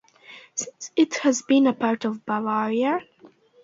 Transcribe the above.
Since then it has been part of Bavaria.